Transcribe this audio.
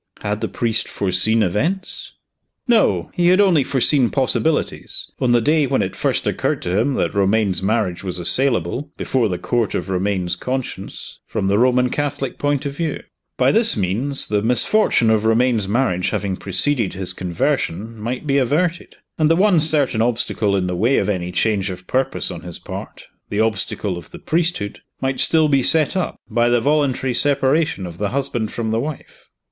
Had the priest foreseen events? No he had only foreseen possibilities, on the day when it first occurred to him that Romayne's marriage was assailable, before the court of Romayne's conscience, from the Roman Catholic point of view. By this means, the misfortune of Romayne's marriage having preceded his conversion might be averted; and the one certain obstacle in the way of any change of purpose on his part the obstacle of the priesthood might still be set up, by the voluntary separation of the husband from the wife.